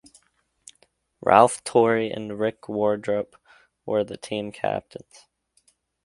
Ralph Turri and Rick Wardrop were the team captains.